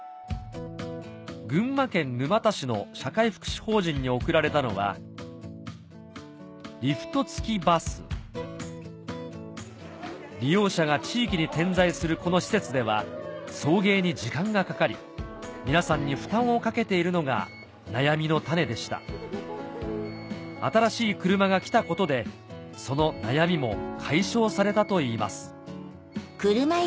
群馬県沼田市の社会福祉法人に贈られたのは利用者が地域に点在するこの施設では送迎に時間がかかり皆さんに負担をかけているのが悩みの種でした新しい車が来たことでその悩みも解消されたといいます